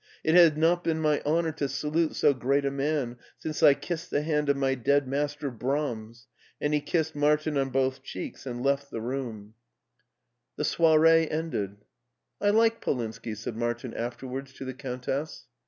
It has not been my honor to salute so great a man since I kissed the hand of my dead master, Brahms !" and he kissed Martin on both cheeks and left the room. i8a MARTIN SCHULER The soiree ended. "I like Polinski," said Martin afterwards to the Countess.